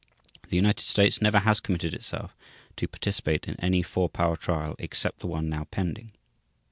The United States never has committed itself to participate in any Four Power trial except the one now pending.